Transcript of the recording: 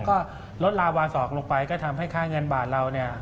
ก็ลดลาวาสอกลงไปก็ทำให้ค่าเงินบาทเราเนี่ย